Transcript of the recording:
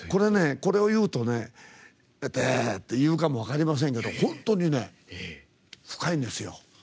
これを言うとね「また！」って言うかも分かりませんけど本当に深いんですよ。